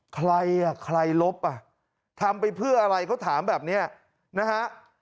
ใครอ่ะใครลบอ่ะทำไปเพื่ออะไรเขาถามแบบนี้นะฮะ